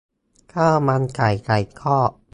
ข้าวมันไก่ ไก่ทอด